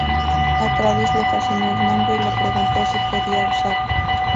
A Travis le fascinó el nombre y le preguntó si podía usarlo.